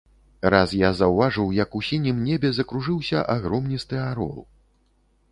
Раз я заўважыў, як у сінім небе закружыўся агромністы арол.